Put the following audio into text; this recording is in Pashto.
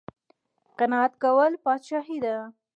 قناعت کول پادشاهي ده